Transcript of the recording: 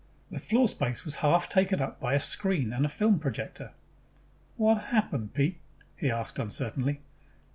The floor space was half taken up by a screen and a film projector. "What happened, Pete?" he asked uncertainly.